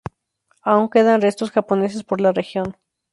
Aún quedan restos japoneses por la región.